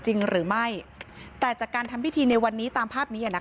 จริงหรือไม่แต่จากการทำพิธีในวันนี้ตามภาพนี้อ่ะนะคะ